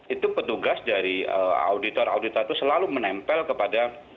itu petugas dari auditor auditor itu selalu menempel kepada